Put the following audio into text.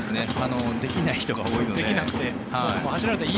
できない人が多いので。